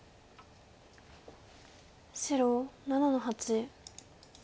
白７の八。